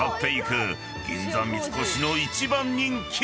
銀座三越の一番人気は］